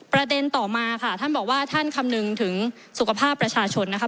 ประเด็นต่อมาค่ะท่านบอกว่าท่านคำนึงถึงสุขภาพประชาชนนะคะ